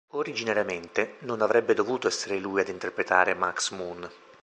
Originariamente, non avrebbe dovuto essere lui ad interpretare Max Moon.